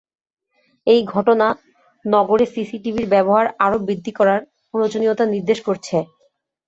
এই ঘটনা নগরে সিসিটিভির ব্যবহার আরও বৃদ্ধি করার প্রয়োজনীয়তা নির্দেশ করছে।